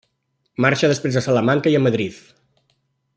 Marxa després a Salamanca i a Madrid.